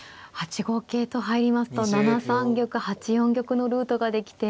８五桂と入りますと７三玉８四玉のルートができて。